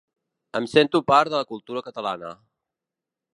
Em sento part de la cultura catalana.